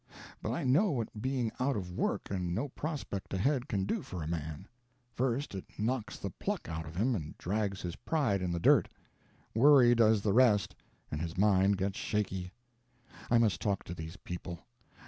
But I know what being out of work and no prospect ahead can do for a man. First it knocks the pluck out of him and drags his pride in the dirt; worry does the rest, and his mind gets shaky. I must talk to these people.